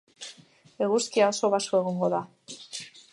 Eguzkia oso baxu egongo da.